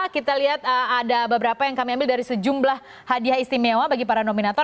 kita lihat ada beberapa yang kami ambil dari sejumlah hadiah istimewa bagi para nominator